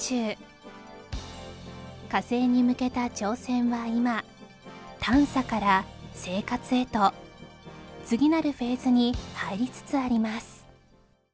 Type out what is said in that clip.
火星に向けた挑戦は今探査から生活へと次なるフェーズに入りつつあります